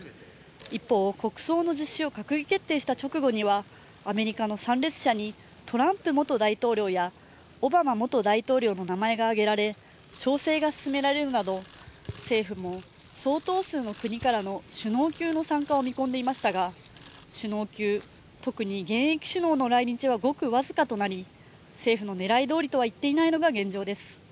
一方、国葬の実施を閣議決定した直後にはアメリカの参列者にトランプ元大統領やオバマ元大統領の名前が挙げられ調整が進められるなど政府も相当数の国からの首脳級の参加を見込んでいましたが、首脳級、特に現役首脳の来日はごく僅かとなり政府の狙いどおりとはなっていないのが現状です。